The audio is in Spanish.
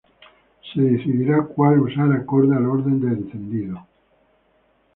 Se decidirá cual usar acorde al orden de encendido.